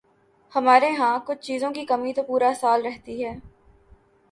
ہمارے ہاں کچھ چیزوں کی کمی تو پورا سال رہتی ہے۔